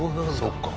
そっか。